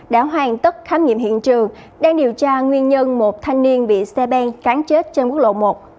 đã hoàn tất khám nghiệm hiện trường đang điều tra nguyên nhân một thanh niên bị xe ben cán chết trên quốc lộ một